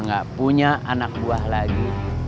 nggak punya anak buah lagi